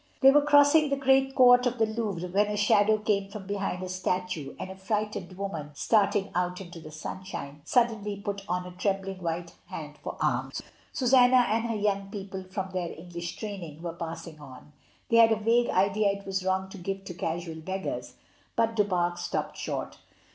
They were crossing the great court of the Louvre when a shadow came from behind a statue, and a frightened woman, starting out into the sunshine, suddenly put out a trembling white hand for alms. Susanna and her young people, from their English training, were passing on, they had a vague idea it was wrong to give to casual beggars, but Du Pare stopped short.